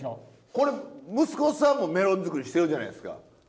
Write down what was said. これ息子さんもメロン作りしてるじゃないですか？